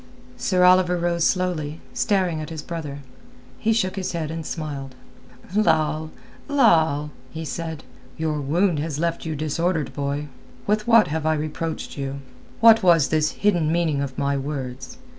Sir Oliver rose slowly, staring at his brother. He shook his head and smiled. "Lal, Lal!" he said. "Your wound has left you disordered, boy. With what have I reproached you? What was this hidden meaning of my words?